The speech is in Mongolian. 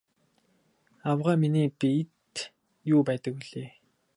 Авгай миний биед юу байдаг билээ?